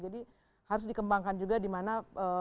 jadi harus dikembangkan juga dimana